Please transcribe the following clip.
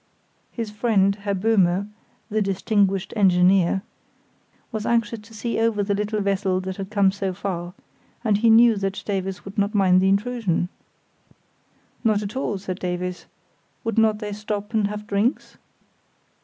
His friend, Herr Böhme, "the distinguished engineer," was anxious to see over the little vessel that had come so far, and he knew that Davies would not mind the intrusion. Not at all, said Davies; would not they stop and have drinks?